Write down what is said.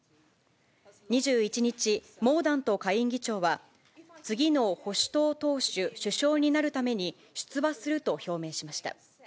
２１日、モーダント下院議長は、次の保守党党首・首相になるために、出馬すると表明しました。